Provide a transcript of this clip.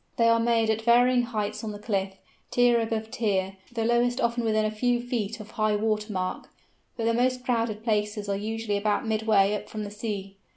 They are made at varying heights on the cliff, tier above tier, the lowest often within a few feet of high water mark, but the most crowded places are usually about midway up from the sea.